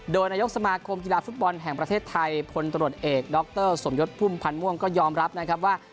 โดยนายกสมาคมกีฬาฟุตบอลแห่งประเทศไทยพลตรวจเอกดรสมยศพุ่มพันธ์ม่วงก็ยอมรับนะครับว่า